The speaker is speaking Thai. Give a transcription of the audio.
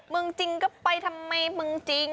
เมืองจริงก็ไปทำไมเมืองจริง